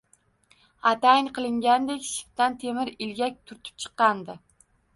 Atayin qilingandek, shiftdan temir ilgak turtib chiqqandi